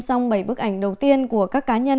xong bảy bức ảnh đầu tiên của các cá nhân